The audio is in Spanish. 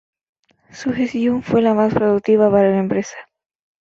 Su gestión fue la más productiva para la empresa.